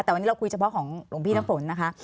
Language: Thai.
แต่วันนี้เราคุยเฉพาะของหลวงพี่น้ำฝนนะคะ